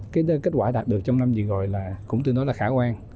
kết quả đạt được trong năm vừa rồi cũng tương đối là khả quan